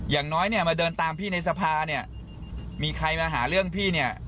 อย่างน้อยเนี่ยมาเดินตามพี่ในสภาเนี่ยมีใครมาหาเรื่องพี่เนี่ย